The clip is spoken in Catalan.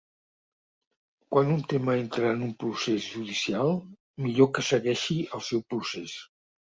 Quan un tema entra en un procés judicial, millor que segueixi el seu procés.